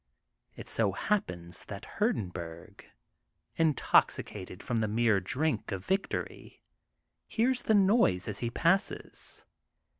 It so happens that Hurdenburg, intoxicated from the mere drink of victory, hears the noise as he passes.